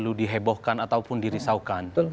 ini perlu dihebohkan ataupun dirisaukan